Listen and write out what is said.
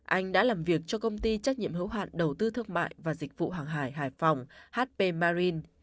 anh đã làm việc cho công ty trách nhiệm hữu hạn đầu tư thương mại và dịch vụ hàng hải hải phòng hp marin